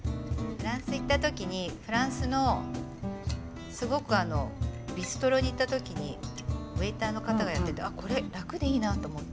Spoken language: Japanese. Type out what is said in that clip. フランス行った時にフランスのすごくあのビストロに行った時にウエイターの方がやっててあっこれ楽でいいなと思って。